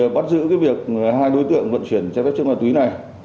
bắt giữ việc hai đối tượng vận chuyển trái phép chứa ma túy này